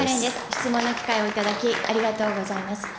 質問の機会を頂き、ありがとうございます。